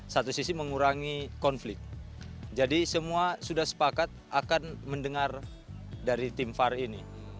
satu sisi mengurangi konflik jadi semua sudah sepakat akan mendengar dari tim var ini